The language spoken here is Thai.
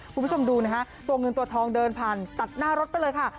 คุณผู้ชมดูนะคะตัวเงินตัวทองเดินผ่านตัดหน้ารถไปเลยค่ะ